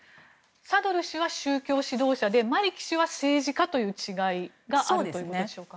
サドル師は宗教指導者でマリキ氏は政治家という違いがあるということでしょうか。